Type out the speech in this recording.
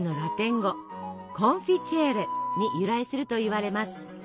コンフィチェーレに由来するといわれます。